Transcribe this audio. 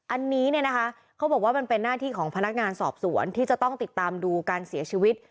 อันนี้เนี่ยนะคะเขาบอกว่ามันเป็นหน้าที่ของพนักงานสอบสวนที่จะต้องติดตามดูการเสียชีวิต